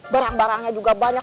barang barangnya juga banyak